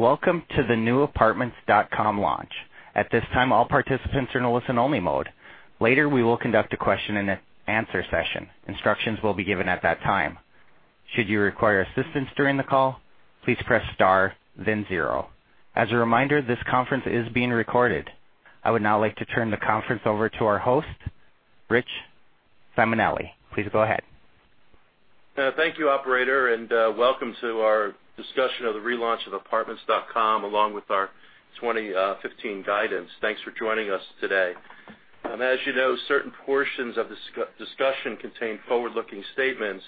Welcome to the new Apartments.com launch. At this time, all participants are in listen-only mode. Later, we will conduct a question and answer session. Instructions will be given at that time. Should you require assistance during the call, please press star then zero. As a reminder, this conference is being recorded. I would now like to turn the conference over to our host, Richard Simonelli. Please go ahead. Thank you, operator, welcome to our discussion of the relaunch of Apartments.com along with our 2015 guidance. Thanks for joining us today. As you know, certain portions of this discussion contain forward-looking statements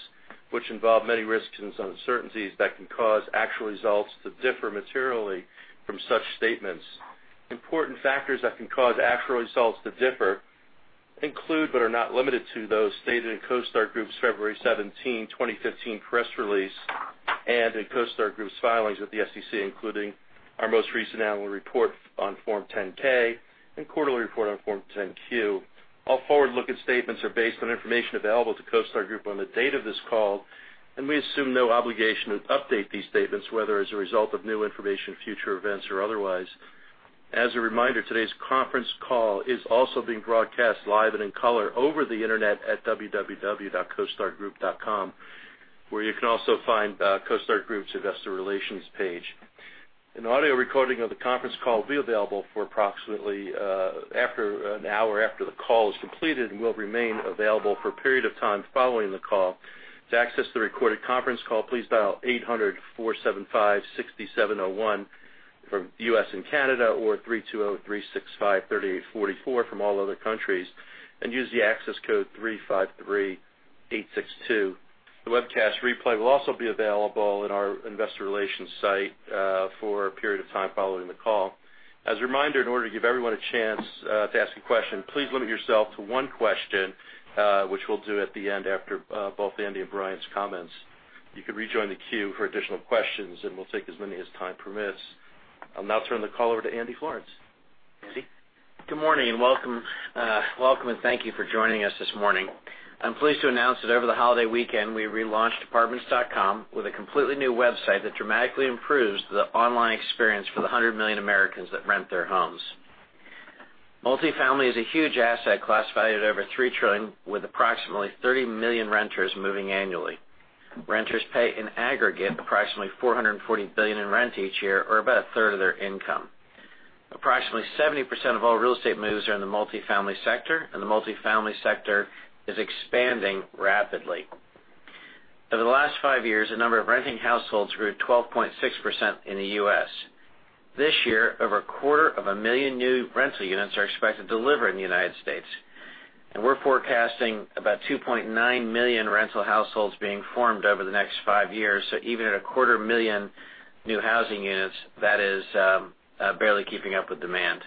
which involve many risks and uncertainties that can cause actual results to differ materially from such statements. Important factors that can cause actual results to differ include, but are not limited to, those stated in CoStar Group's February 17, 2015 press release and in CoStar Group's filings with the SEC, including our most recent annual report on Form 10-K and quarterly report on Form 10-Q. All forward-looking statements are based on information available to CoStar Group on the date of this call, and we assume no obligation to update these statements, whether as a result of new information, future events, or otherwise. As a reminder, today's conference call is also being broadcast live and in color over the internet at www.costargroup.com, where you can also find CoStar Group's investor relations page. An audio recording of the conference call will be available for approximately after an hour after the call is completed and will remain available for a period of time following the call. To access the recorded conference call, please dial 800-475-6701 from U.S. and Canada, or 320-365-3844 from all other countries, and use the access code 353-862. The webcast replay will also be available in our investor relations site for a period of time following the call. As a reminder, in order to give everyone a chance, to ask a question, please limit yourself to one question, which we'll do at the end after, both Andy and Brian's comments. You can rejoin the queue for additional questions, and we'll take as many as time permits. I'll now turn the call over to Andrew Florance. Andy? Good morning and welcome. Welcome and thank you for joining us this morning. I'm pleased to announce that over the holiday weekend, we relaunched Apartments.com with a completely new website that dramatically improves the online experience for the 100 million Americans that rent their homes. Multifamily is a huge asset class valued at over $3 trillion, with approximately 30 million renters moving annually. Renters pay, in aggregate, approximately $440 billion in rent each year, or about a third of their income. Approximately 70% of all real estate moves are in the multifamily sector, and the multifamily sector is expanding rapidly. Over the last five years, the number of renting households grew 12.6% in the U.S. This year, over a quarter of a million new rental units are expected to deliver in the U.S., and we're forecasting about 2.9 million rental households being formed over the next 5 years. Even at a quarter million new housing units, that is barely keeping up with demand.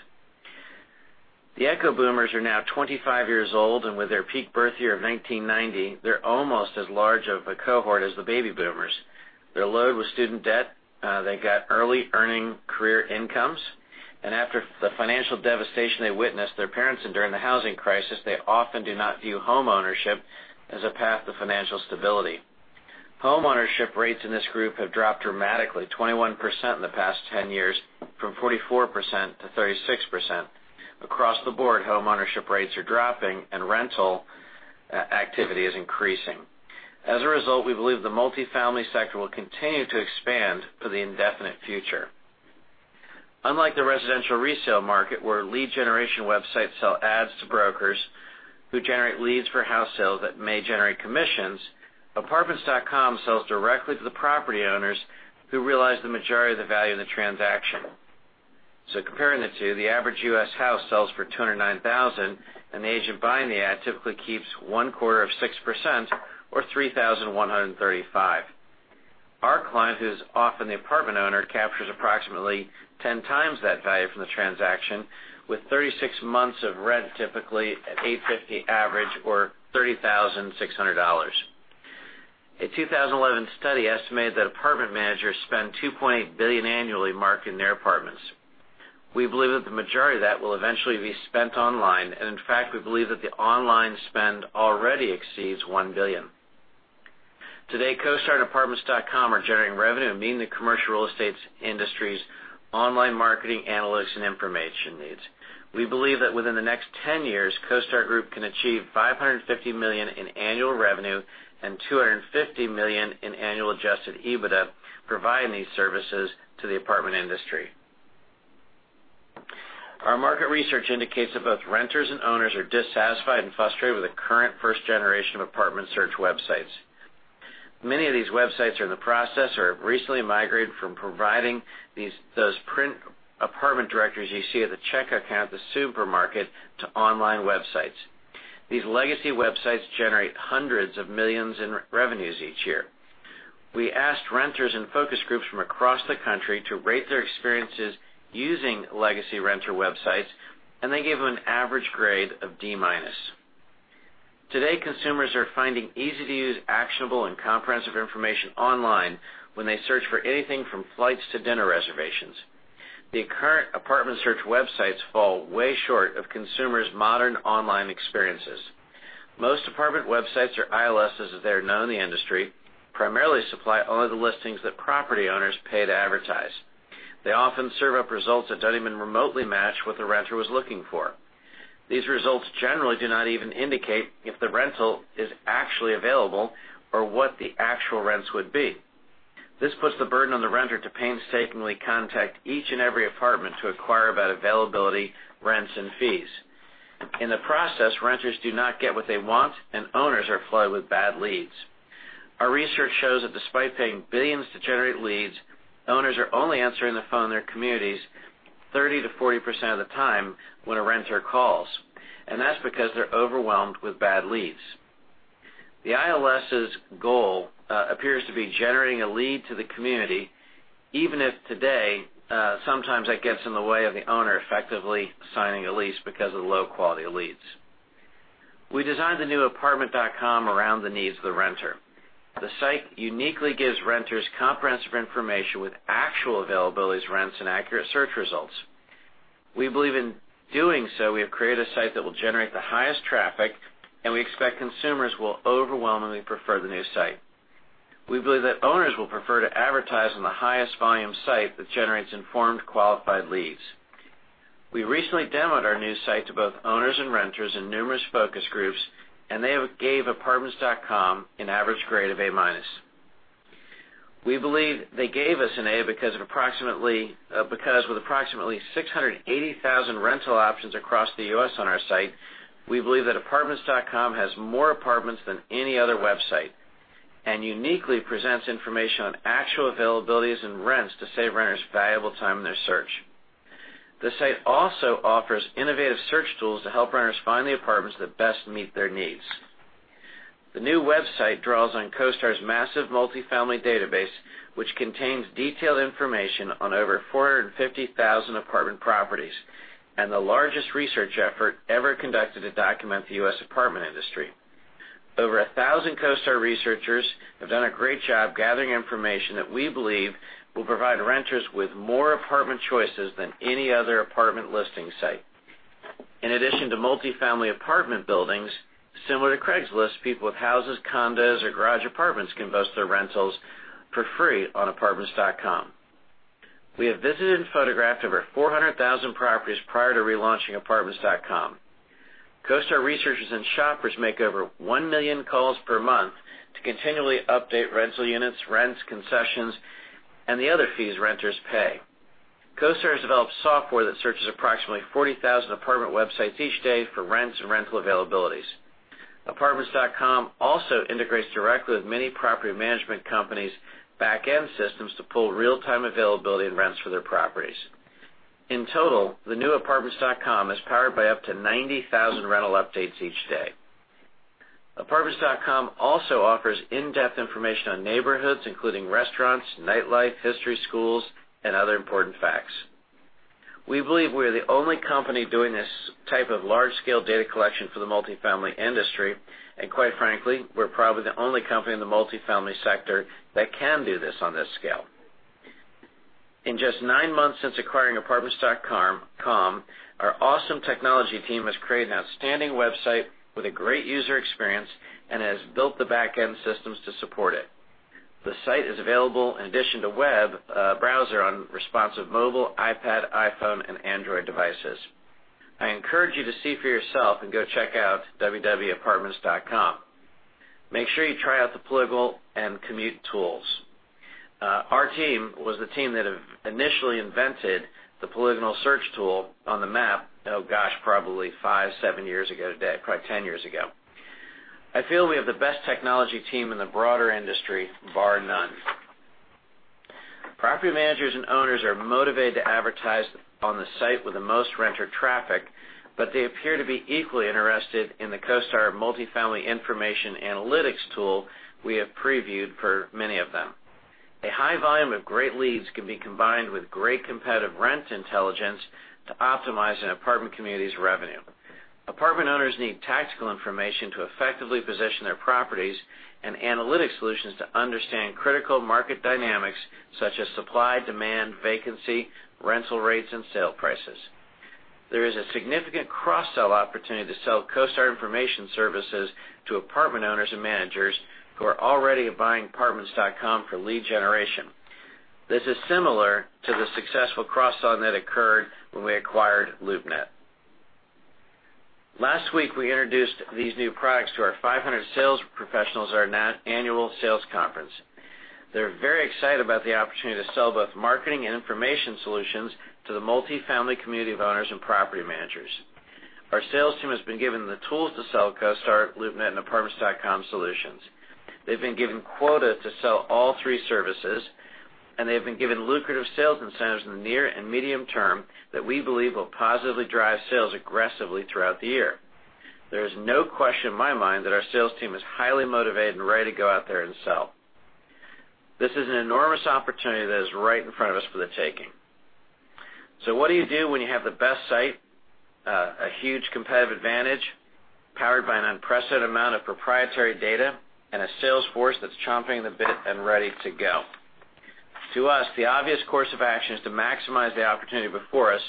The Echo Boomers are now 25 years old, and with their peak birth year of 1990, they're almost as large of a cohort as the baby boomers. They're loaded with student debt. They got early earning career incomes, and after the financial devastation they witnessed their parents and during the housing crisis, they often do not view homeownership as a path to financial stability. Homeownership rates in this group have dropped dramatically, 21% in the past 10 years, from 44%-36%. Across the board, homeownership rates are dropping and rental activity is increasing. As a result, we believe the multifamily sector will continue to expand for the indefinite future. Unlike the residential resale market, where lead generation websites sell ads to brokers who generate leads for house sales that may generate commissions, Apartments.com sells directly to the property owners who realize the majority of the value of the transaction. Comparing the two, the average U.S. house sells for $209,000, and the agent buying the ad typically keeps one quarter of 6% or $3,135. Our client, who's often the apartment owner, captures approximately 10 times that value from the transaction, with 36 months of rent, typically at $850 average or $30,600. A 2011 study estimated that apartment managers spend $2.8 billion annually marketing their apartments. We believe that the majority of that will eventually be spent online, and in fact, we believe that the online spend already exceeds $1 billion. Today, CoStar and Apartments.com are generating revenue and meeting the commercial real estate industry's online marketing, analytics, and information needs. We believe that within the next 10 years, CoStar Group can achieve $550 million in annual revenue and $250 million in annual adjusted EBITDA, providing these services to the apartment industry. Our market research indicates that both renters and owners are dissatisfied and frustrated with the current first generation of apartment search websites. Many of those websites are in the process or have recently migrated from providing those print apartment directories you see at the checkout counter at the supermarket to online websites. These legacy websites generate hundreds of millions in revenues each year. We asked renters and focus groups from across the country to rate their experiences using legacy renter websites, and they gave them an average grade of D-. Today, consumers are finding easy-to-use, actionable, and comprehensive information online when they search for anything from flights to dinner reservations. The current apartment search websites fall way short of consumers' modern online experiences. Most apartment websites, or ILS as they are known in the industry, primarily supply only the listings that property owners pay to advertise. They often serve up results that don't even remotely match what the renter was looking for. These results generally do not even indicate if the rental is actually available or what the actual rents would be. This puts the burden on the renter to painstakingly contact each and every apartment to inquire about availability, rents, and fees. In the process, renters do not get what they want, and owners are flooded with bad leads. Our research shows that despite paying billions to generate leads, owners are only answering the phone in their communities 30%-40% of the time when a renter calls, and that's because they're overwhelmed with bad leads. The ILS's goal appears to be generating a lead to the community, even if today, sometimes that gets in the way of the owner effectively signing a lease because of the low-quality leads. We designed the new Apartments.com around the needs of the renter. The site uniquely gives renters comprehensive information with actual availabilities, rents, and accurate search results. We believe in doing so, we have created a site that will generate the highest traffic, and we expect consumers will overwhelmingly prefer the new site. We believe that owners will prefer to advertise on the highest volume site that generates informed, qualified leads. We recently demoed our new site to both owners and renters in numerous focus groups, and they have gave Apartments.com an average grade of "A−". We believe they gave us an A because with approximately 680,000 rental options across the U.S. on our site, we believe that Apartments.com has more apartments than any other website and uniquely presents information on actual availabilities and rents to save renters valuable time in their search. The site also offers innovative search tools to help renters find the apartments that best meet their needs. The new website draws on CoStar's massive multifamily database, which contains detailed information on over 450,000 apartment properties and the largest research effort ever conducted to document the U.S. apartment industry. Over 1,000 CoStar researchers have done a great job gathering information that we believe will provide renters with more apartment choices than any other apartment listing site. In addition to multifamily apartment buildings, similar to Craigslist, people with houses, condos or garage apartments can post their rentals for free on Apartments.com. We have visited and photographed over 400,000 properties prior to relaunching Apartments.com. CoStar researchers and shoppers make over 1 million calls per month to continually update rental units, rents, concessions, and the other fees renters pay. CoStar has developed software that searches approximately 40,000 apartment websites each day for rents and rental availabilities. Apartments.com also integrates directly with many property management companies' back-end systems to pull real-time availability and rents for their properties. In total, the new Apartments.com is powered by up to 90,000 rental updates each day. Apartments.com also offers in-depth information on neighborhoods, including restaurants, nightlife, history, schools, and other important facts. We believe we are the only company doing this type of large-scale data collection for the multifamily industry, and quite frankly, we're probably the only company in the multifamily sector that can do this on this scale. In just nine months since acquiring Apartments.com, our awesome technology team has created an outstanding website with a great user experience and has built the back-end systems to support it. The site is available in addition to web browser on responsive mobile, iPad, iPhone, and Android devices. I encourage you to see for yourself and go check out www.apartments.com. Make sure you try out the polygonal and commute tools. Our team was the team that have initially invented the polygonal search tool on the map, probably five, seven years ago, today, probably 10 years ago. I feel we have the best technology team in the broader industry, bar none. Property managers and owners are motivated to advertise on the site with the most renter traffic, but they appear to be equally interested in the CoStar Multifamily information analytics tool we have previewed for many of them. A high volume of great leads can be combined with great competitive rent intelligence to optimize an apartment community's revenue. Apartment owners need tactical information to effectively position their properties and analytics solutions to understand critical market dynamics such as supply, demand, vacancy, rental rates, and sale prices. There is a significant cross-sell opportunity to sell CoStar information services to apartment owners and managers who are already buying Apartments.com for lead generation. This is similar to the successful cross-sell that occurred when we acquired LoopNet. Last week, we introduced these new products to our 500 sales professionals at our annual sales conference. They're very excited about the opportunity to sell both marketing and information solutions to the multifamily community of owners and property managers. Our sales team has been given the tools to sell CoStar, LoopNet, and Apartments.com solutions. They've been given quota to sell all three services, and they have been given lucrative sales incentives in the near and medium term that we believe will positively drive sales aggressively throughout the year. There is no question in my mind that our sales team is highly motivated and ready to go out there and sell. This is an enormous opportunity that is right in front of us for the taking. What do you do when you have the best site, a huge competitive advantage? Powered by an unprecedented amount of proprietary data and a sales force that's chomping at the bit and ready to go. To us, the obvious course of action is to maximize the opportunity before us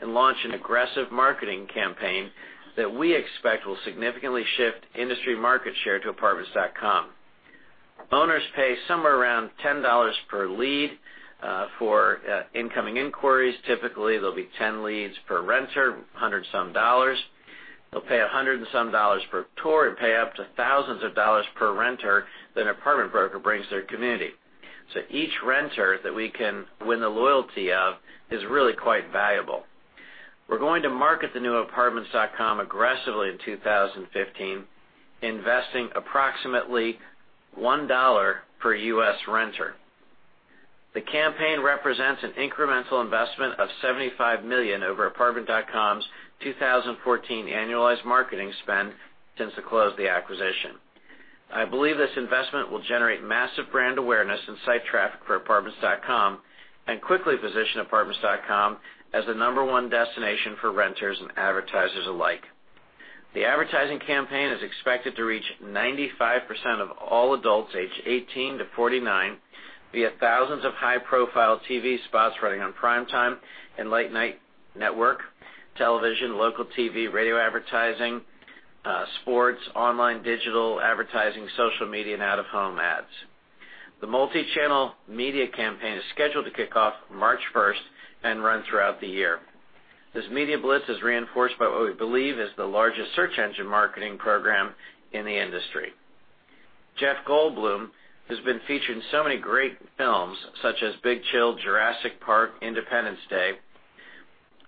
and launch an aggressive marketing campaign that we expect will significantly shift industry market share to Apartments.com. Owners pay somewhere around $10 per lead for incoming inquiries. Typically, there'll be 10 leads per renter, $100 some. They'll pay $100 some per tour and pay up to thousands of dollars per renter that an apartment broker brings to their community. Each renter that we can win the loyalty of is really quite valuable. We're going to market the new Apartments.com aggressively in 2015, investing approximately $1 per U.S. renter. The campaign represents an incremental investment of $75 million over Apartments.com's 2014 annualized marketing spend since the close of the acquisition. I believe this investment will generate massive brand awareness and site traffic for Apartments.com and quickly position Apartments.com as the number one destination for renters and advertisers alike. The advertising campaign is expected to reach 95% of all adults aged 18-49 via thousands of high-profile TV spots running on prime time and late-night network television, local TV, radio advertising, sports, online digital advertising, social media, and out-of-home ads. The multi-channel media campaign is scheduled to kick off March 1st and run throughout the year. This media blitz is reinforced by what we believe is the largest search engine marketing program in the industry. Jeff Goldblum, who's been featured in so many great films such as The Big Chill, Jurassic Park, Independence Day,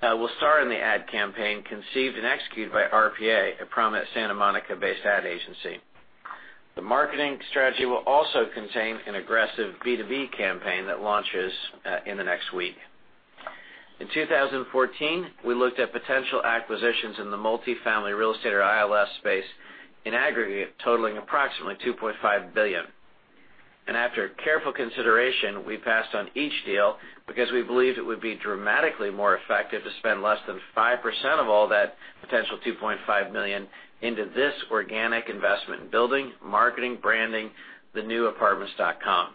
will star in the ad campaign conceived and executed by RPA, a prominent Santa Monica-based ad agency. The marketing strategy will also contain an aggressive B2B campaign that launches in the next week. In 2014, we looked at potential acquisitions in the multifamily real estate or ILS space in aggregate totaling approximately $2.5 billion. After careful consideration, we passed on each deal because we believed it would be dramatically more effective to spend less than 5% of all that potential $2.5 million into this organic investment in building, marketing, branding the new Apartments.com.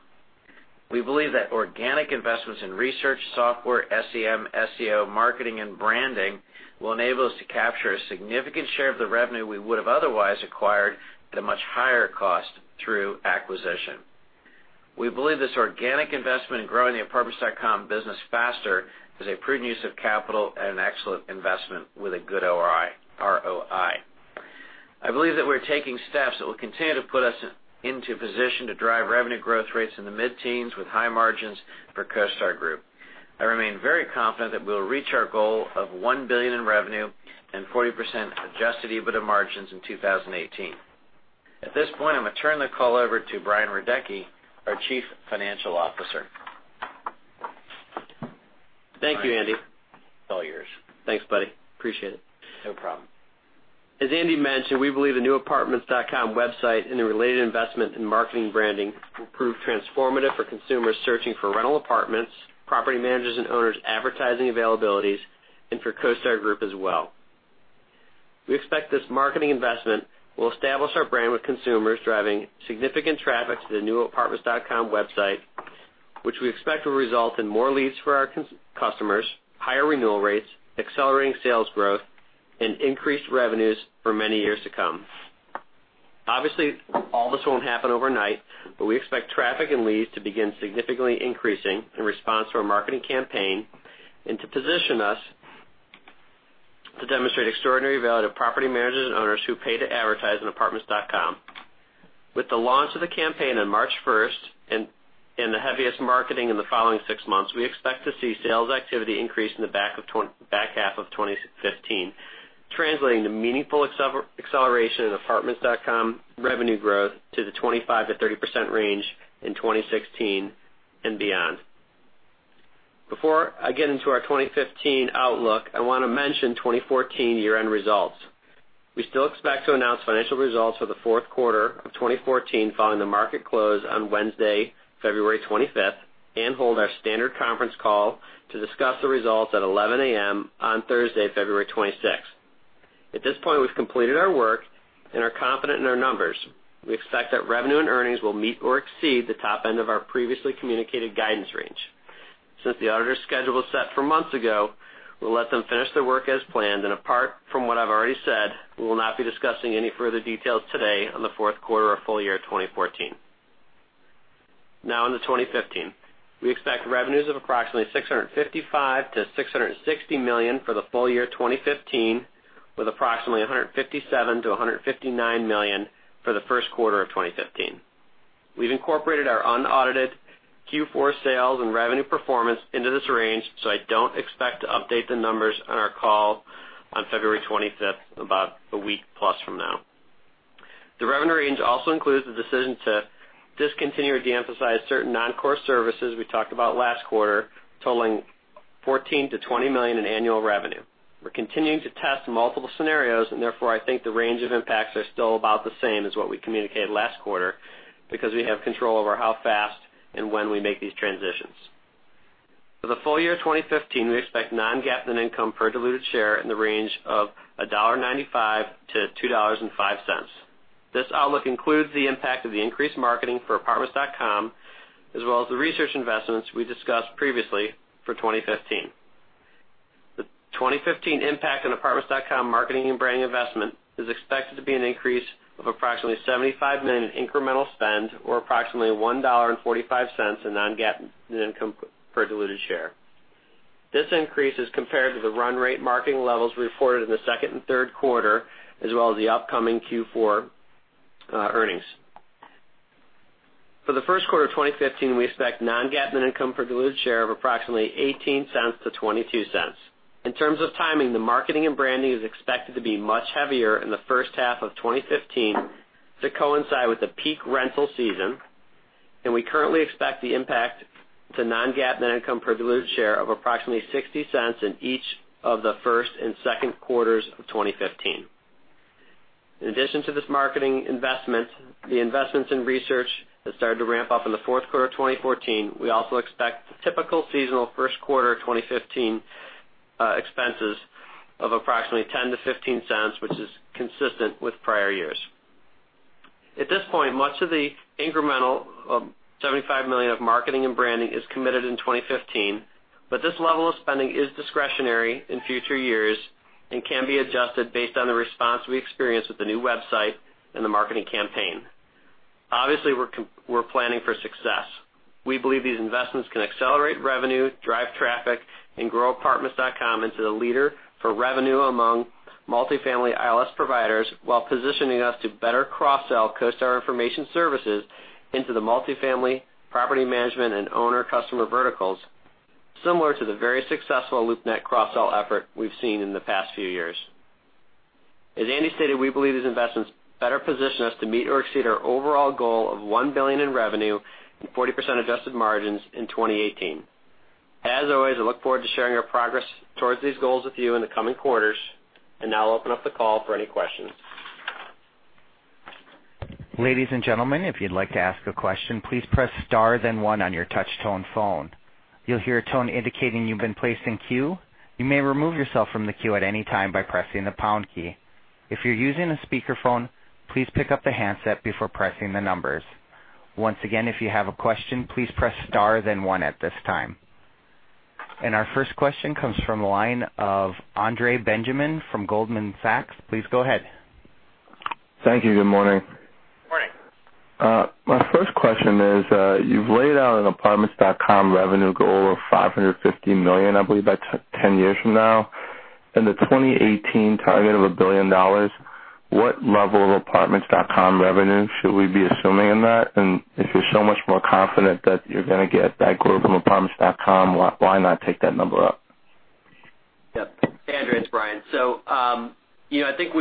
We believe that organic investments in research, software, SEM, SEO, marketing, and branding will enable us to capture a significant share of the revenue we would have otherwise acquired at a much higher cost through acquisition. We believe this organic investment in growing the Apartments.com business faster is a prudent use of capital and an excellent investment with a good ROI. I believe that we're taking steps that will continue to put us into a position to drive revenue growth rates in the mid-teens with high margins for CoStar Group. I remain very confident that we'll reach our goal of $1 billion in revenue and 40% adjusted EBITDA margins in 2018. At this point, I'm gonna turn the call over to Brian Radecki, our Chief Financial Officer. Thank you, Andy. It's all yours. Thanks, buddy. Appreciate it. No problem. As Andy mentioned, we believe the new Apartments.com website and the related investment in marketing branding will prove transformative for consumers searching for rental apartments, property managers and owners advertising availabilities, and for CoStar Group as well. We expect this marketing investment will establish our brand with consumers, driving significant traffic to the new Apartments.com website, which we expect will result in more leads for our customers, higher renewal rates, accelerating sales growth, and increased revenues for many years to come. Obviously, all this won't happen overnight, but we expect traffic and leads to begin significantly increasing in response to our marketing campaign and to position us to demonstrate extraordinary value to property managers and owners who pay to advertise on Apartments.com. With the launch of the campaign on March 1st and the heaviest marketing in the following six months, we expect to see sales activity increase in the back half of 2015, translating to meaningful acceleration in Apartments.com revenue growth to the 25%-30% range in 2016 and beyond. Before I get into our 2015 outlook, I want to mention 2014 year-end results. We still expect to announce financial results for the fourth quarter of 2014 following the market close on Wednesday, February 25th, and hold our standard conference call to discuss the results at 11:00 A.M. on Thursday, February 26th. At this point, we've completed our work and are confident in our numbers. We expect that revenue and earnings will meet or exceed the top end of our previously communicated guidance range. Since the auditor's schedule was set for months ago, we'll let them finish their work as planned. Apart from what I've already said, we will not be discussing any further details today on the fourth quarter or full year 2014. On to 2015. We expect revenues of approximately $655 million-$660 million for the full year 2015, with approximately $157 million-$159 million for the first quarter of 2015. We've incorporated our unaudited Q4 sales and revenue performance into this range. I don't expect to update the numbers on our call on February 25th, about a week plus from now. The revenue range also includes the decision to discontinue or de-emphasize certain non-core services we talked about last quarter, totaling $14 million-$20 million in annual revenue. We're continuing to test multiple scenarios. I think the range of impacts are still about the same as what we communicated last quarter because we have control over how fast and when we make these transitions. For the full year 2015, we expect non-GAAP net income per diluted share in the range of $1.95-$2.05. This outlook includes the impact of the increased marketing for Apartments.com, as well as the research investments we discussed previously for 2015. The 2015 impact on Apartments.com marketing and branding investment is expected to be an increase of approximately $75 million in incremental spend or approximately $1.45 in non-GAAP net income per diluted share. This increase is compared to the run rate marketing levels reported in the second and third quarter, as well as the upcoming Q4 earnings. For the first quarter of 2015, we expect non-GAAP net income per diluted share of approximately $0.18-$0.22. In terms of timing, the marketing and branding is expected to be much heavier in the first half of 2015 to coincide with the peak rental season. We currently expect the impact to non-GAAP net income per diluted share of approximately $0.60 in each of the first and second quarters of 2015. In addition to this marketing investment, the investments in research that started to ramp up in the fourth quarter of 2014, we also expect the typical seasonal first quarter of 2015 expenses of approximately $0.10-$0.15, which is consistent with prior years. At this point, much of the incremental of $75 million of marketing and branding is committed in 2015, but this level of spending is discretionary in future years and can be adjusted based on the response we experience with the new website and the marketing campaign. Obviously, we're planning for success. We believe these investments can accelerate revenue, drive traffic, and grow Apartments.com into the leader for revenue among multifamily ILS providers, while positioning us to better cross-sell CoStar information services into the multifamily property management and owner customer verticals, similar to the very successful LoopNet cross-sell effort we've seen in the past few years. As Andy stated, we believe these investments better position us to meet or exceed our overall goal of $1 billion in revenue and 40% adjusted margins in 2018. As always, I look forward to sharing our progress towards these goals with you in the coming quarters. Now I'll open up the call for any questions. Our first question comes from the line of Andre Benjamin from Goldman Sachs. Please go ahead. Thank you. Good morning. Morning. My first question is, you've laid out an Apartments.com revenue goal of $550 million, I believe, by 10 years from now. In the 2018 target of $1 billion, what level of Apartments.com revenue should we be assuming in that? If you're so much more confident that you're gonna get that growth from Apartments.com, why not take that number up? Yep. Andre, it's Brian. You know, I think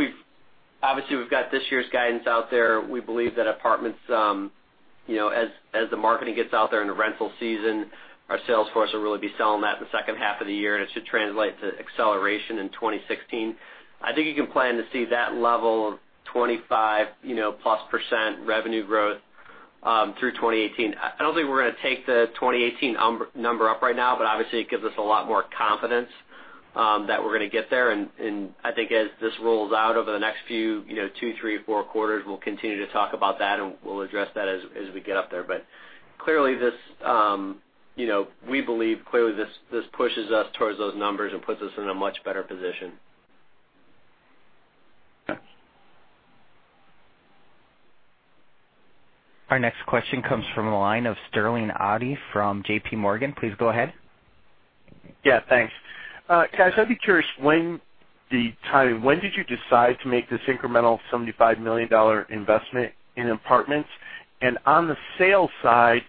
obviously, we've got this year's guidance out there. We believe that Apartments, you know, as the marketing gets out there in the rental season, our sales force will really be selling that in the second half of the year, and it should translate to acceleration in 2016. I think you can plan to see that level of 25, you know, plus percent revenue growth through 2018. I don't think we're gonna take the 2018 number up right now, but obviously, it gives us a lot more confidence that we're gonna get there. I think as this rolls out over the next few, you know, two, three, or four quarters, we'll continue to talk about that, and we'll address that as we get up there. Clearly this, you know, we believe clearly this pushes us towards those numbers and puts us in a much better position. Okay. Our next question comes from the line of Sterling Auty from JPMorgan. Please go ahead. Yeah, thanks. Guys, I'd be curious. When did you decide to make this incremental $75 million investment in apartments? On the sales side,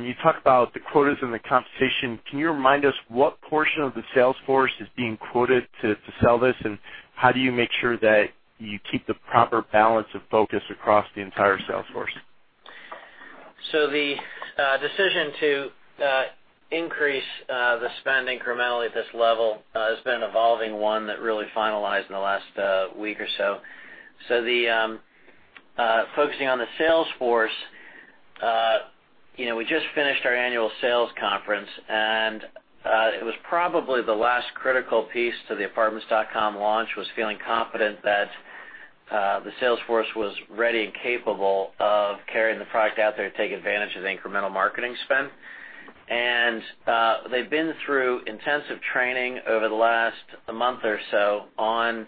you talk about the quotas and the compensation. Can you remind us what portion of the sales force is being quoted to sell this? How do you make sure that you keep the proper balance of focus across the entire sales force? The decision to increase the spend incrementally at this level has been an evolving one that really finalized in the last week or so. Focusing on the sales force, you know, we just finished our annual sales conference, and it was probably the last critical piece to the Apartments.com launch, was feeling confident that the sales force was ready and capable of carrying the product out there to take advantage of the incremental marketing spend. They've been through intensive training over the last a month or so on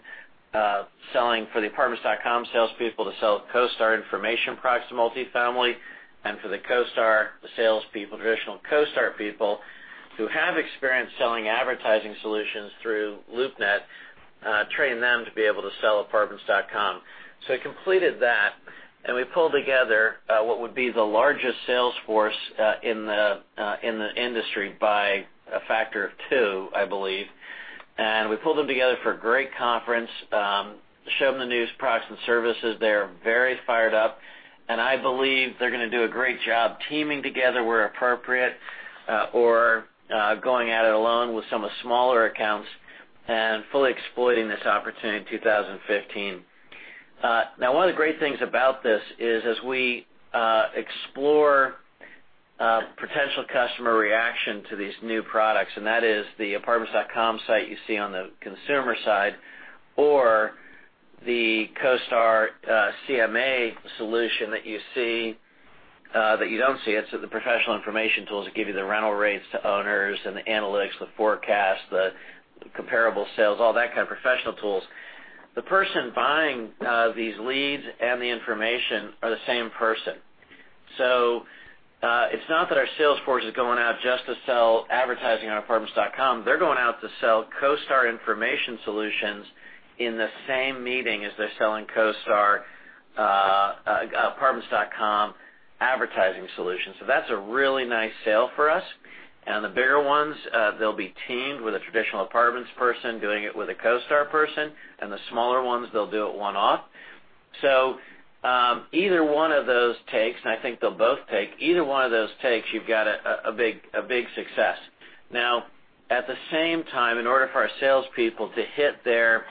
selling for the Apartments.com salespeople to sell CoStar information products to multifamily. For the CoStar salespeople, traditional CoStar people who have experience selling advertising solutions through LoopNet, training them to be able to sell Apartments.com. We completed that, we pulled together what would be the largest sales force in the industry by a factor of two, I believe. We pulled them together for a great conference, showed them the newest products and services. They are very fired up, and I believe they're gonna do a great job teaming together where appropriate, or going at it alone with some of the smaller accounts and fully exploiting this opportunity in 2015. Now one of the great things about this is as we explore potential customer reaction to these new products, that is the Apartments.com site you see on the consumer side or the CoStar CMA solution that you see, that you don't see, it's the professional information tools that give you the rental rates to owners and the analytics, the forecast, the comparable sales, all that kind of professional tools. The person buying these leads and the information are the same person. It's not that our sales force is going out just to sell advertising on Apartments.com, they're going out to sell CoStar information solutions in the same meeting as they're selling CoStar, Apartments.com advertising solutions. That's a really nice sale for us. The bigger ones, they'll be teamed with a traditional Apartments person doing it with a CoStar person, and the smaller ones, they'll do it one-off. Either one of those takes, and I think they'll both take, either one of those takes, you've got a big success. Now, at the same time, in order for our salespeople to hit their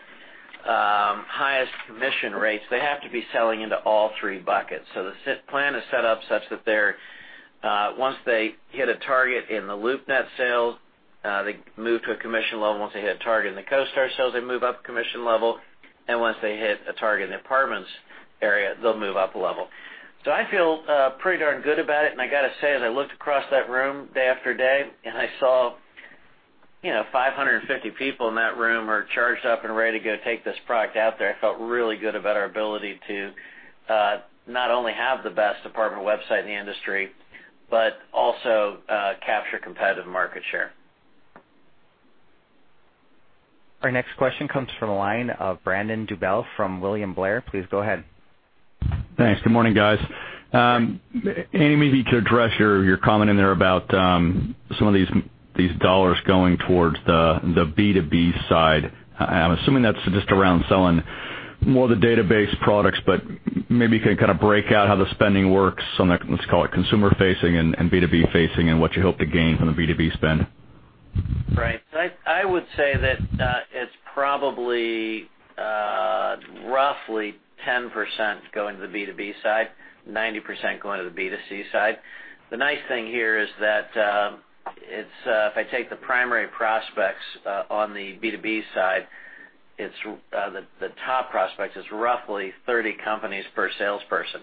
highest commission rates, they have to be selling into all three buckets. The plan is set up such that they're, once they hit a target in the LoopNet sales, they move to a commission level. Once they hit a target in the CoStar sales, they move up commission level. Once they hit a target in the Apartments area, they'll move up a level. I feel pretty darn good about it, and I gotta say, as I looked across that room day after day, and I saw, you know, 550 people in that room are charged up and ready to go take this product out there, I felt really good about our ability to not only have the best apartment website in the industry, but also capture competitive market share. Our next question comes from the line of Brandon Dobell from William Blair. Please go ahead. Thanks. Good morning, guys. Andy, maybe to address your comment in there about some of these dollars going towards the B2B side. I'm assuming that's just around selling more of the database products, but maybe you can kind of break out how the spending works on the, let's call it consumer-facing and B2B-facing and what you hope to gain from the B2B spend. Right. I would say that it's probably roughly 10% going to the B2B side, 90% going to the B2C side. The nice thing here is that it's if I take the primary prospects on the B2B side, it's the top prospects is roughly 30 companies per salesperson.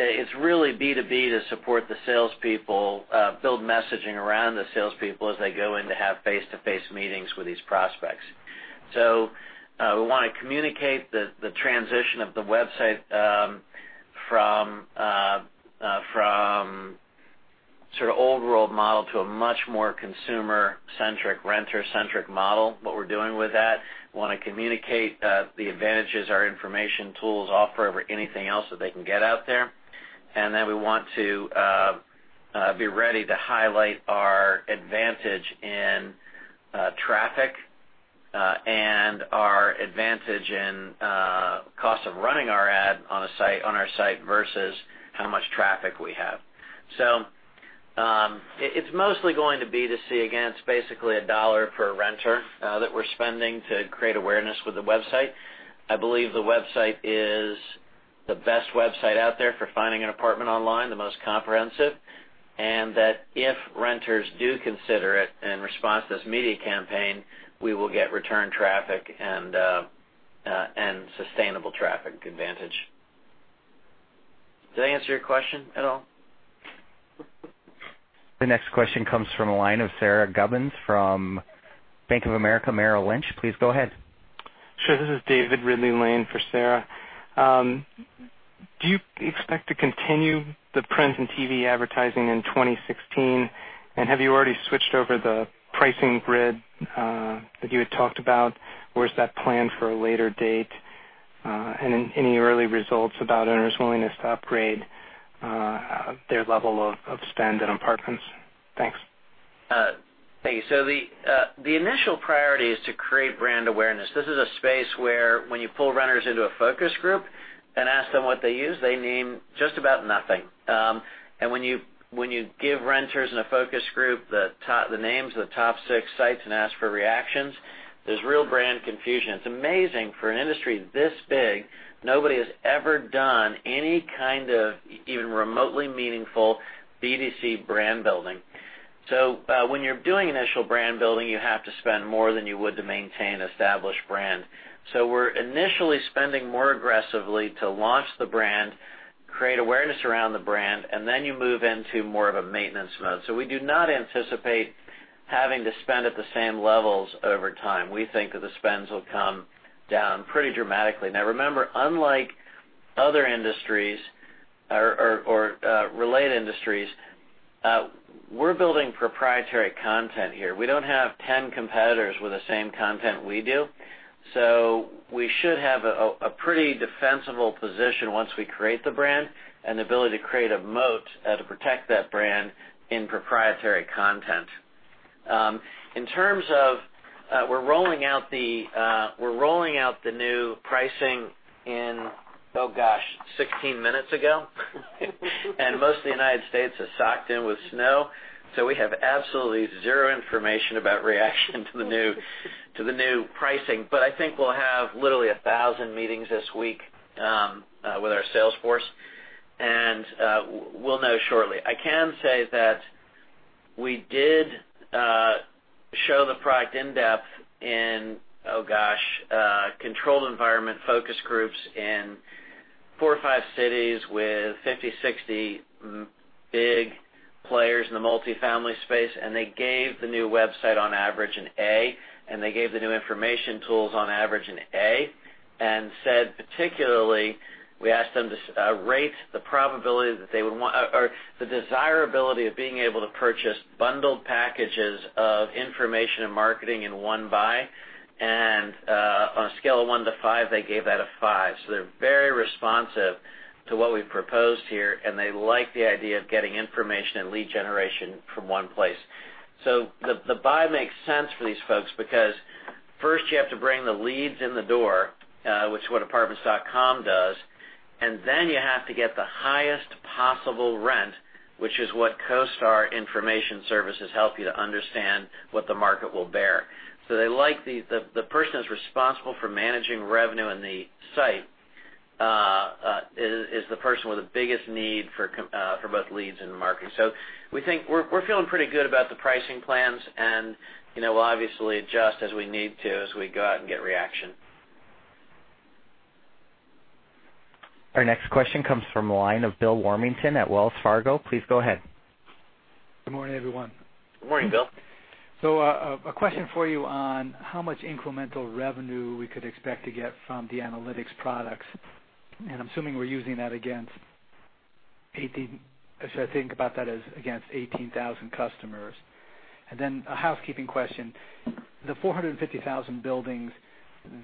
It's really B2B to support the salespeople, build messaging around the salespeople as they go in to have face-to-face meetings with these prospects. We want to communicate the transition of the website from sort of old world model to a much more consumer-centric, renter-centric model, what we're doing with that. Wanna communicate the advantages our information tools offer over anything else that they can get out there. We want to be ready to highlight our advantage in traffic and our advantage in cost of running our ad on our site versus how much traffic we have. It's mostly going to B2C. Again, it's basically $1 per renter that we're spending to create awareness with the website. I believe the website is the best website out there for finding an apartment online, the most comprehensive, and that if renters do consider it in response to this media campaign, we will get return traffic and sustainable traffic advantage. Did I answer your question at all? The next question comes from the line of Sara Gubins from Bank of America Merrill Lynch. Please go ahead. Sure. This is David Ridley-Lane for Sara. Do you expect to continue the print and TV advertising in 2016? Have you already switched over the pricing grid that you had talked about? Is that planned for a later date? Any early results about owners' willingness to upgrade their level of spend on apartments? Thanks. Thank you. The initial priority is to create brand awareness. This is a space where when you pull renters into a focus group and ask them what they use, they name just about nothing. And when you give renters in a focus group the names of the top six sites and ask for reactions, there's real brand confusion. It's amazing for an industry this big, nobody has ever done any kind of even remotely meaningful B2C brand building. When you're doing initial brand building, you have to spend more than you would to maintain an established brand. We're initially spending more aggressively to launch the brand, create awareness around the brand, and then you move into more of a maintenance mode. We do not anticipate having to spend at the same levels over time. We think that the spends will come down pretty dramatically. Remember, unlike other industries or related industries, we're building proprietary content here. We don't have 10 competitors with the same content we do. We should have a pretty defensible position once we create the brand and the ability to create a moat to protect that brand in proprietary content. In terms of, we're rolling out the new pricing in 16 minutes ago. Most of the U.S. is socked in with snow, so we have absolutely zero information about reaction to the new pricing. I think we'll have literally 1,000 meetings this week with our sales force. We'll know shortly. I can say that we did show the product in depth in controlled environment focus groups in four or five cities with 50, 60 big players in the multifamily space, and they gave the new website on average an A, and they gave the new information tools on average an A, and said particularly, we asked them to rate the probability that they would or the desirability of being able to purchase bundled packages of information and marketing in one buy. On a scale of one-five, they gave that a five. They're very responsive to what we've proposed here, and they like the idea of getting information and lead generation from one place. The buy makes sense for these folks because first you have to bring the leads in the door, which is what Apartments.com does, and then you have to get the highest possible rent, which is what CoStar information services help you to understand what the market will bear. They like the person who's responsible for managing revenue in the site, is the person with the biggest need for both leads and marketing. We think We're feeling pretty good about the pricing plans, and, you know, we'll obviously adjust as we need to as we go out and get reaction. Our next question comes from the line of Bill Warmington at Wells Fargo. Please go ahead. Good morning, everyone. Good morning, Bill. A question for you on how much incremental revenue we could expect to get from the analytics products, and I'm assuming we're using that against 18,000 customers. A housekeeping question. The 450,000 buildings,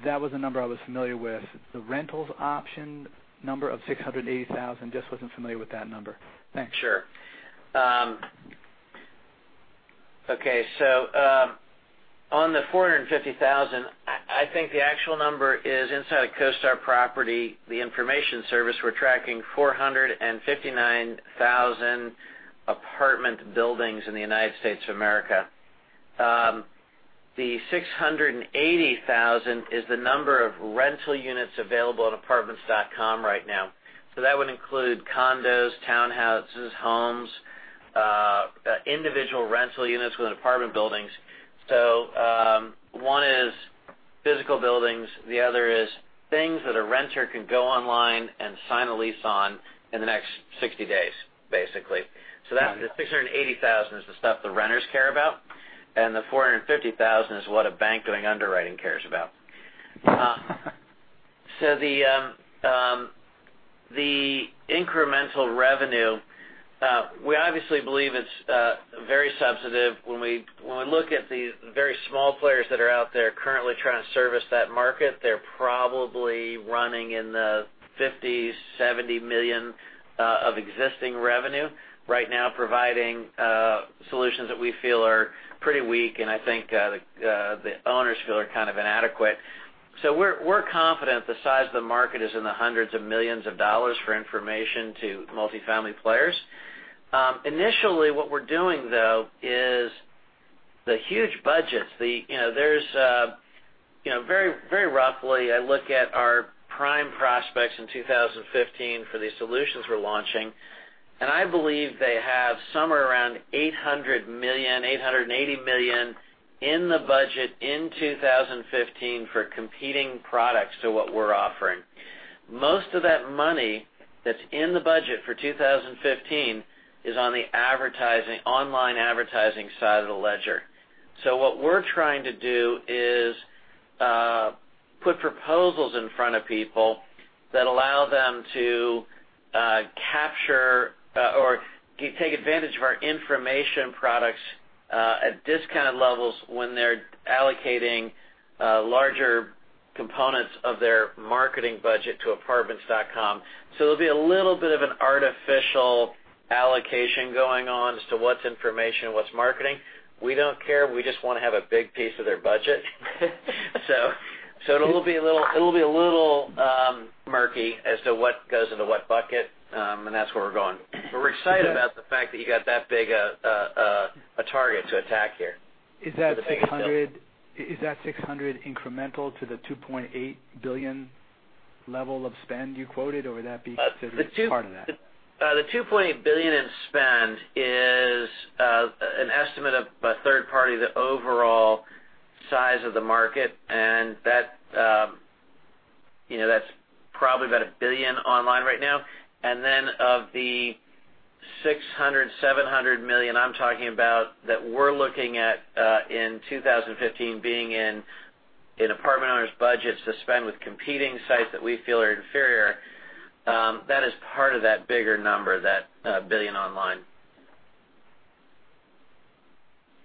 that was a number I was familiar with. The rentals option number of 680,000, just wasn't familiar with that number. Thanks. Sure. Okay. On the 450,000, I think the actual number is inside of CoStar Property, the information service, we're tracking 459,000 apartment buildings in the United States of America. The 680,000 is the number of rental units available on Apartments.com right now. That would include condos, townhouses, homes, individual rental units within apartment buildings. One is physical buildings, the other is things that a renter can go online and sign a lease on in the next 60 days, basically. Got it. The $680,000 is the stuff the renters care about, and the $450,000 is what a bank doing underwriting cares about. The incremental revenue, we obviously believe it's very substantive. When we look at the very small players that are out there currently trying to service that market, they're probably running in the $50 million-$70 million of existing revenue right now, providing solutions that we feel are pretty weak, and I think the owners feel are kind of inadequate. We're confident the size of the market is in the hundreds of millions of dollars for information to multifamily players. Initially, what we're doing though is the huge budgets. You know, there's, you know, very, very roughly, I look at our prime prospects in 2015 for these solutions we're launching, and I believe they have somewhere around $800 million, $880 million in the budget in 2015 for competing products to what we're offering. Most of that money that's in the budget for 2015 is on the advertising, online advertising side of the ledger. What we're trying to do is put proposals in front of people that allow them to capture or take advantage of our information products at discounted levels when they're allocating larger components of their marketing budget to Apartments.com. There'll be a little bit of an artificial allocation going on as to what's information and what's marketing. We don't care. We just wanna have a big piece of their budget. It'll be a little murky as to what goes into what bucket, and that's where we're going. We're excited about the fact that you got that big a target to attack here. Is that $600- For the sake of Bill. Is that $600 incremental to the $2.8 billion level of spend you quoted, or would that be considered as part of that? The $2.8 billion in spend is an estimate of a third party, the overall size of the market. That, you know, that's probably about $1 billion online right now. Then of the $600 million, $700 million I'm talking about that we're looking at in 2015 being in an apartment owner's budget to spend with competing sites that we feel are inferior, that is part of that bigger number, that $1 billion online.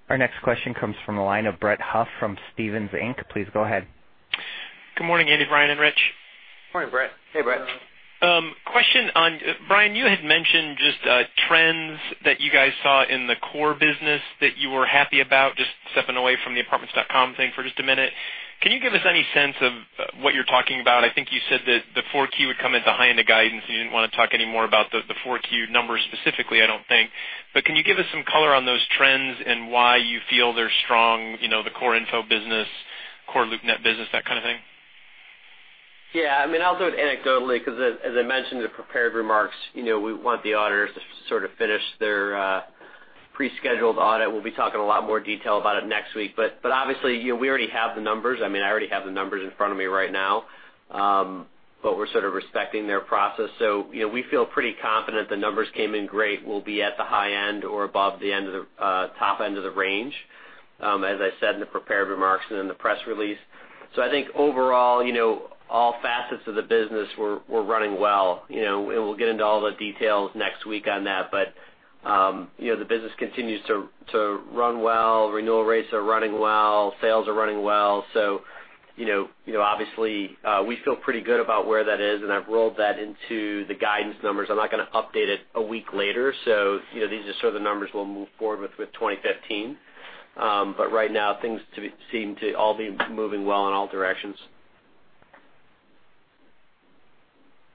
Our next question comes from the line of Brett Huff from Stephens Inc. Please go ahead. Good morning, Andy, Brian, and Rich. Morning, Brett. Hey, Brett. Question on Brian, you had mentioned just trends that you guys saw in the core business that you were happy about, just stepping away from the Apartments.com thing for just a minute. Can you give us any sense of what you're talking about? I think you said that the 4Q would come in behind the guidance, and you didn't wanna talk any more about the 4Q numbers specifically, I don't think. Can you give us some color on those trends and why you feel they're strong, you know, the core info business? Core LoopNet business, that kind of thing? Yeah. I mean, I'll do it anecdotally 'cause as I mentioned in the prepared remarks, you know, we want the auditors to sort of finish their prescheduled audit. We'll be talking a lot more detail about it next week. Obviously, you know, we already have the numbers. I mean, I already have the numbers in front of me right now. We're sort of respecting their process. You know, we feel pretty confident the numbers came in great, will be at the high end or above the end of the top end of the range, as I said in the prepared remarks and in the press release. I think overall, you know, all facets of the business were running well, you know. We'll get into all the details next week on that. You know, the business continues to run well, renewal rates are running well, sales are running well. You know, obviously, we feel pretty good about where that is, and I've rolled that into the guidance numbers. I'm not gonna update it a week later. You know, these are sort of the numbers we'll move forward with 2015. Right now, things seem to all be moving well in all directions.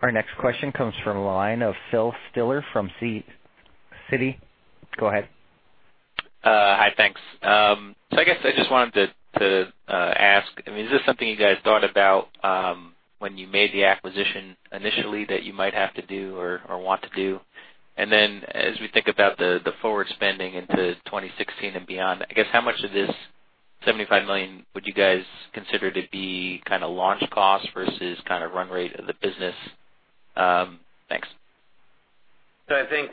Our next question comes from the line of Phil Stiller from Citi. Go ahead. Hi, thanks. I guess I just wanted to ask, I mean, is this something you guys thought about when you made the acquisition initially that you might have to do or want to do? As we think about the forward spending into 2016 and beyond, I guess, how much of this $75 million would you guys consider to be kinda launch costs versus kind of run rate of the business? Thanks. I think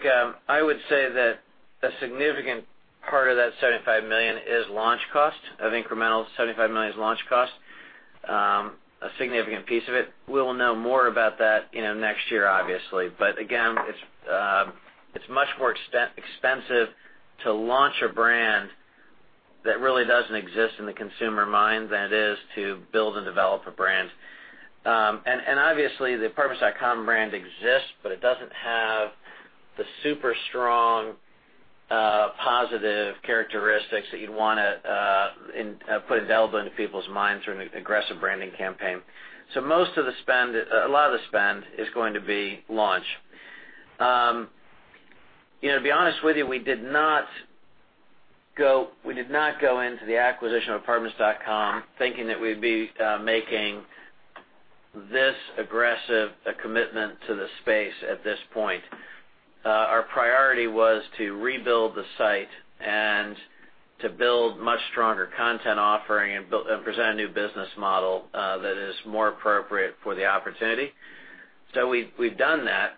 I would say that a significant part of that $75 million is launch cost. Of incremental $75 million is launch cost. A significant piece of it. We'll know more about that, you know, next year, obviously. It's much more expensive to launch a brand that really doesn't exist in the consumer mind than it is to build and develop a brand. Obviously, the Apartments.com brand exists, but it doesn't have the super strong positive characteristics that you'd wanna put a delve into people's minds or an aggressive branding campaign. Most of the spend, a lot of the spend is going to be launch. You know, to be honest with you, we did not go into the acquisition of Apartments.com thinking that we'd be making this aggressive a commitment to the space at this point. Our priority was to rebuild the site and to build much stronger content offering and present a new business model that is more appropriate for the opportunity. We've done that.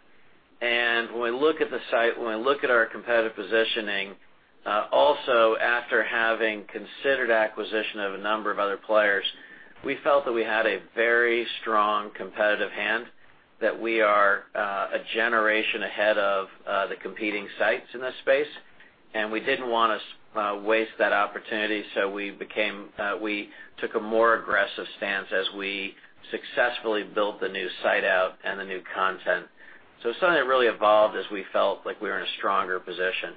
When we look at the site, when we look at our competitive positioning, also after having considered acquisition of a number of other players, we felt that we had a very strong competitive hand, that we are a generation ahead of the competing sites in this space, and we didn't wanna waste that opportunity, so we became, we took a more aggressive stance as we successfully built the new site out and the new content. It's something that really evolved as we felt like we were in a stronger position.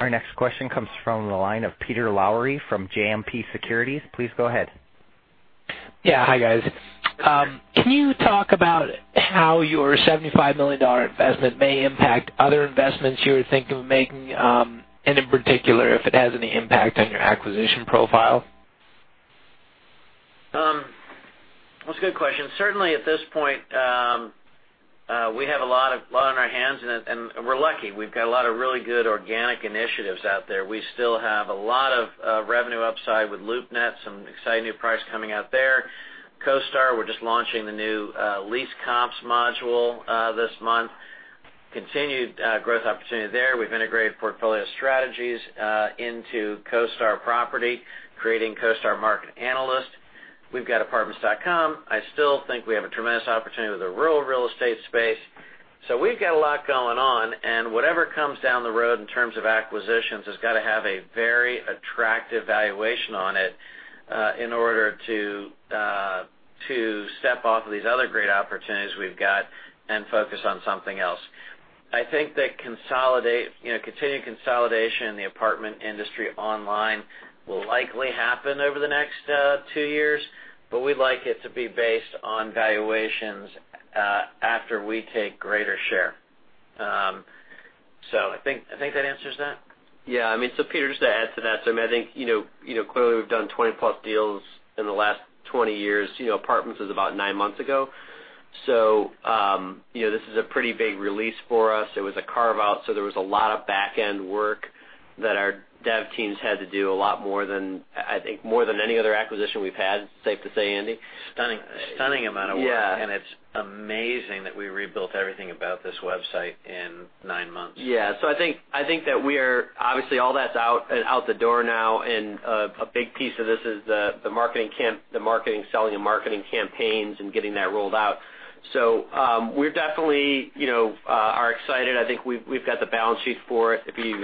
Our next question comes from the line of Peter Lowry from JMP Securities. Please go ahead. Yeah. Hi, guys. Can you talk about how your $75 million investment may impact other investments you were thinking of making, in particular, if it has any impact on your acquisition profile? That's a good question. Certainly at this point, we have a lot on our hands, and we're lucky. We've got a lot of really good organic initiatives out there. We still have a lot of revenue upside with LoopNet, some exciting new products coming out there. CoStar, we're just launching the new Lease Comps module this month. Continued growth opportunity there. We've integrated portfolio strategies into CoStar property, creating CoStar Market Analytics. We've got Apartments.com. I still think we have a tremendous opportunity with the rural real estate space. We've got a lot going on, and whatever comes down the road in terms of acquisitions has gotta have a very attractive valuation on it in order to step off of these other great opportunities we've got and focus on something else. I think that, you know, continuing consolidation in the apartment industry online will likely happen over the next two years, but we'd like it to be based on valuations after we take greater share. I think that answers that. Yeah. I mean, Peter, just to add to that, I mean, I think, you know, clearly we've done 20+ deals in the last 20 years. You know, Apartments was about nine months ago. You know, this is a pretty big release for us. It was a carve-out, there was a lot of back-end work that our dev teams had to do a lot more than, I think, more than any other acquisition we've had, safe to say, Andy? Stunning amount of work. Yeah. It's amazing that we rebuilt everything about this website in nine months. Yeah. I think that we are. Obviously, all that's out the door now, and a big piece of this is the marketing, selling and marketing campaigns and getting that rolled out. We're definitely, you know, excited. I think we've got the balance sheet for it. If you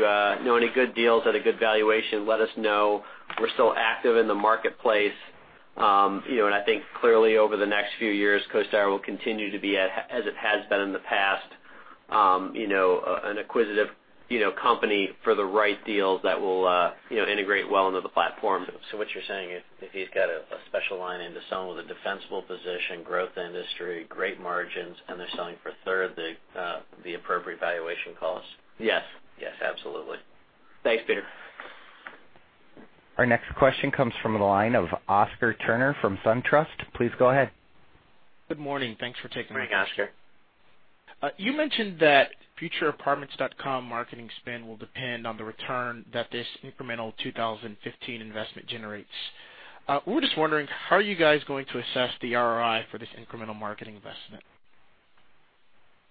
know any good deals at a good valuation, let us know. We're still active in the marketplace. You know, I think clearly over the next few years, CoStar will continue to be as it has been in the past, you know, an acquisitive, you know, company for the right deals that will, you know, integrate well into the platform. What you're saying is if you've got a special line into selling with a defensible position, growth industry, great margins, and they're selling for a third of the appropriate valuation cost? Yes, absolutely. Thanks, Peter. Our next question comes from the line of Oscar Turner from SunTrust. Please go ahead. Good morning. Thanks for taking- Morning, Oscar. You mentioned that future Apartments.com marketing spend will depend on the return that this incremental 2015 investment generates. We're just wondering, how are you guys going to assess the ROI for this incremental marketing investment?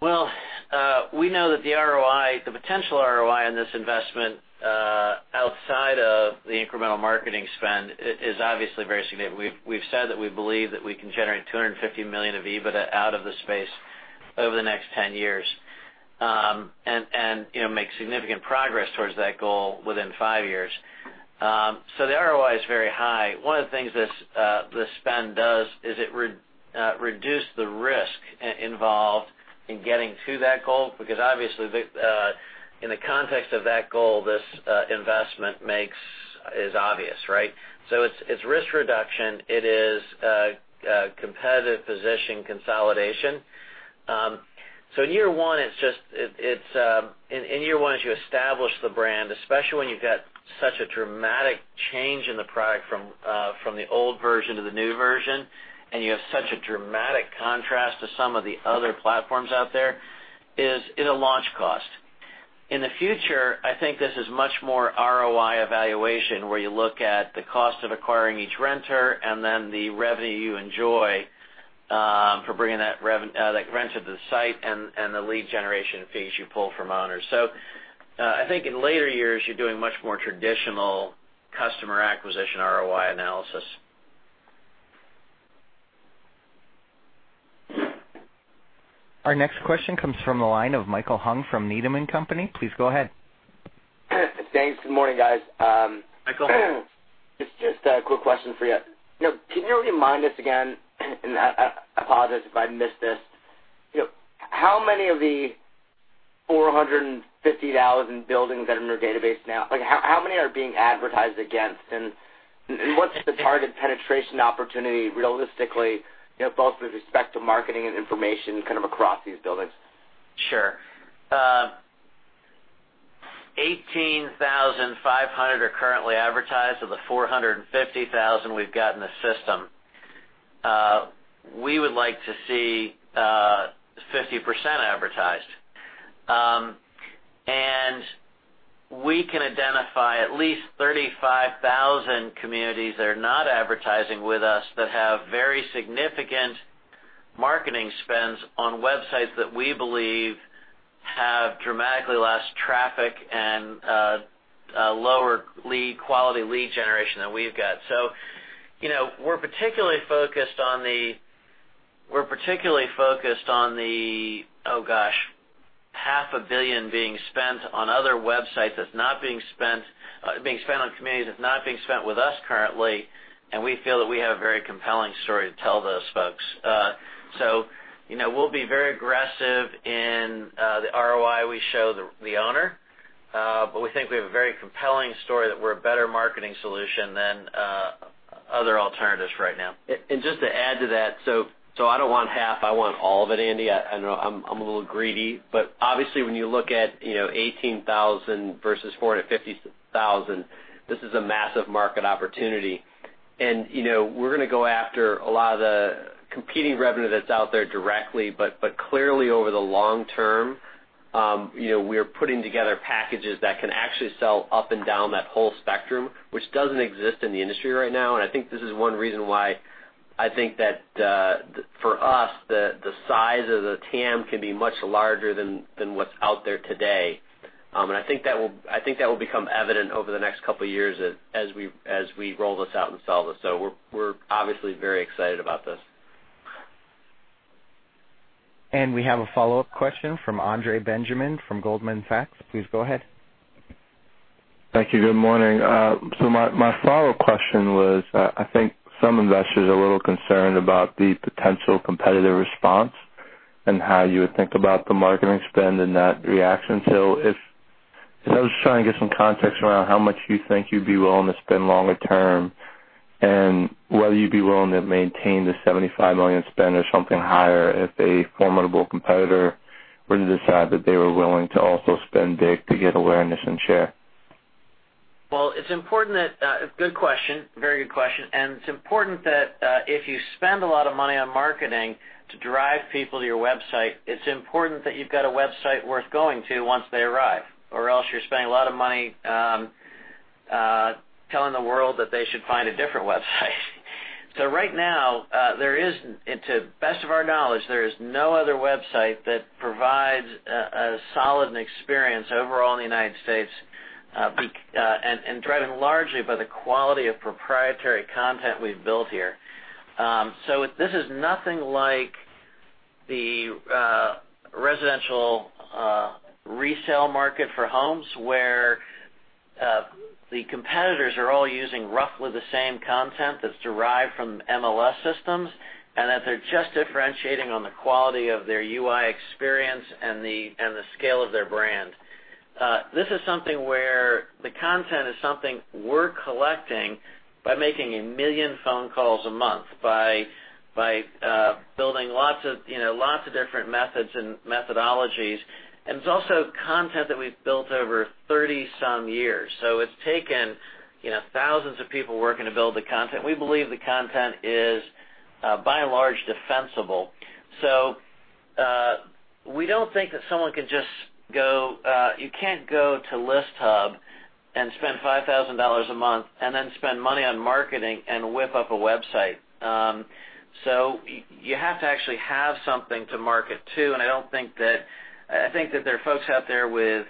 We know that the ROI, the potential ROI on this investment, outside of the incremental marketing spend is obviously very significant. We've said that we believe that we can generate $250 million of EBITDA out of the space over the next 10 years, and, you know, make significant progress towards that goal within five years. The ROI is very high. One of the things this spend does is it reduce the risk involved in getting to that goal, because obviously, in the context of that goal, this investment makes is obvious, right? It's risk reduction. It is competitive position consolidation. In year one, as you establish the brand, especially when you've got such a dramatic change in the product from the old version to the new version, and you have such a dramatic contrast to some of the other platforms out there, is a launch cost. In the future, I think this is much more ROI evaluation, where you look at the cost of acquiring each renter and then the revenue you enjoy for bringing that renter to the site and the lead generation fees you pull from owners. I think in later years, you're doing much more traditional customer acquisition ROI analysis. Our next question comes from the line of Michael Huang from Needham & Company. Please go ahead. Thanks. Good morning, guys. Michael. Just a quick question for you. You know, can you remind us again, I apologize if I missed this, you know, how many of the 450,000 buildings that are in your database now, like how many are being advertised against? What's the target penetration opportunity realistically, you know, both with respect to marketing and information kind of across these buildings? Sure. 18,500 are currently advertised of the 450,000 we've got in the system. We would like to see 50% advertised. We can identify at least 35,000 communities that are not advertising with us that have very significant marketing spends on websites that we believe have dramatically less traffic and lower lead, quality lead generation than we've got. You know, we're particularly focused on the, gosh, $half a billion being spent on other websites that's not being spent, being spent on communities that's not being spent with us currently, and we feel that we have a very compelling story to tell those folks. You know, we'll be very aggressive in the ROI we show the owner, but we think we have a very compelling story that we're a better marketing solution than other alternatives right now. Just to add to that, I don't want half, I want all of it, Andy. I know I'm a little greedy. Obviously, when you look at, you know, $18,000 versus $450,000, this is a massive market opportunity. You know, we're gonna go after a lot of the competing revenue that's out there directly. Clearly, over the long term, you know, we are putting together packages that can actually sell up and down that whole spectrum, which doesn't exist in the industry right now. I think this is one reason why I think that, the for us, the size of the TAM can be much larger than what's out there today. I think that will become evident over the next two years as we roll this out and sell this. We're obviously very excited about this. We have a follow-up question from Andre Benjamin from Goldman Sachs. Please go ahead. Thank you. Good morning. My follow-up question was, I think some investors are a little concerned about the potential competitive response and how you would think about the marketing spend and that reaction. I was trying to get some context around how much you think you'd be willing to spend longer term and whether you'd be willing to maintain the $75 million spend or something higher if a formidable competitor were to decide that they were willing to also spend big to get awareness and share. Well, it's important that Good question. Very good question. It's important that if you spend a lot of money on marketing to drive people to your website, it's important that you've got a website worth going to once they arrive, or else you're spending a lot of money telling the world that they should find a different website. Right now, there is, and to best of our knowledge, there is no other website that provides a solid experience overall in the United States and driven largely by the quality of proprietary content we've built here. This is nothing like the residential resale market for homes, where the competitors are all using roughly the same content that's derived from MLS systems and that they're just differentiating on the quality of their UI experience and the scale of their brand. This is something where the content is something we're collecting by making 1 million phone calls a month, by building lots of different methods and methodologies. It's also content that we've built over 30 some years. It's taken thousands of people working to build the content. We believe the content is by and large defensible. We don't think that someone can just go. You can't go to ListHub and spend $5,000 a month and then spend money on marketing and whip up a website. You have to actually have something to market to, and I don't think that I think that there are folks out there with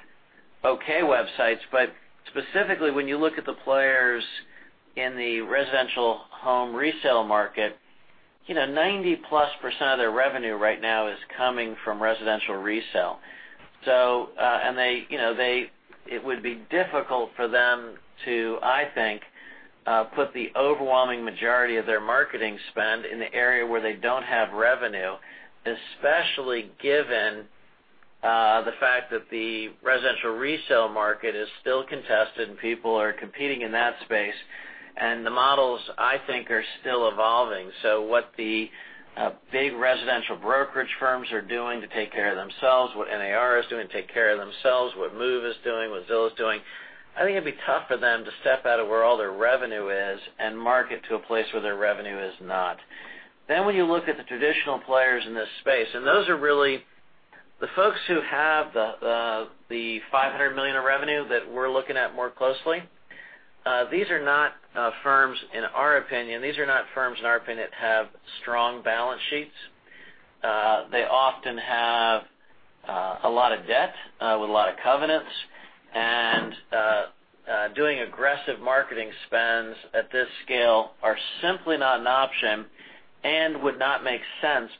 okay websites. Specifically, when you look at the players in the residential home resale market, you know, 90+% of their revenue right now is coming from residential resale. They, you know, it would be difficult for them to, I think, put the overwhelming majority of their marketing spend in the area where they don't have revenue, especially given the fact that the residential resale market is still contested and people are competing in that space, and the models, I think, are still evolving. What the big residential brokerage firms are doing to take care of themselves, what NAR is doing to take care of themselves, what Move is doing, what Zillow is doing, I think it'd be tough for them to step out of where all their revenue is and market to a place where their revenue is not. When you look at the traditional players in this space, and those are really the folks who have the $500 million of revenue that we're looking at more closely, these are not firms, in our opinion, that have strong balance sheets. They often have a lot of debt with a lot of covenants, and doing aggressive marketing spends at this scale are simply not an option and would not make sense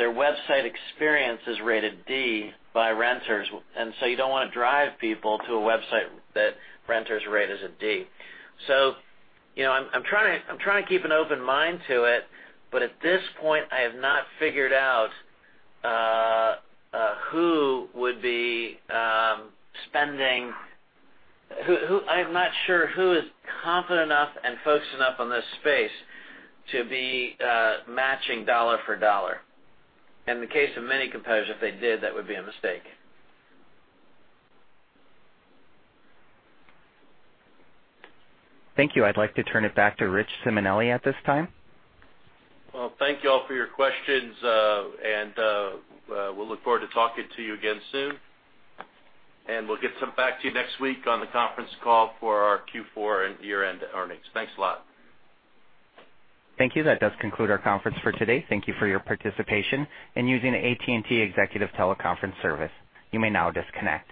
because their website experience is rated D by renters, and so you don't wanna drive people to a website that renters rate as a D. You know, I'm trying to, I'm trying to keep an open mind to it, but at this point, I have not figured out who would be spending. I'm not sure who is confident enough and focused enough on this space to be matching dollar for dollar. In the case of many competitors, if they did, that would be a mistake. Thank you. I'd like to turn it back to Richard Simonelli at this time. Well, thank you all for your questions. We'll look forward to talking to you again soon. We'll get some back to you next week on the conference call for our Q4 and year-end earnings. Thanks a lot. Thank you. That does conclude our conference for today. Thank you for your participation in using AT&T Executive TeleConference Services. You may now disconnect.